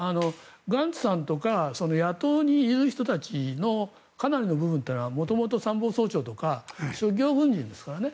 ガンツさんとか野党にいる人たちのかなりの部分は元々参謀総長とか商業軍人ですからね。